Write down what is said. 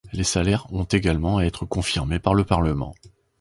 Les salaires ont également à être confirmés par le parlement.